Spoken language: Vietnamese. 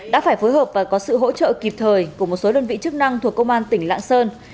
đã phải phối hợp và có sự hỗ trợ kịp thời của một số đơn vị chức năng thuộc công an tỉnh lạng sơn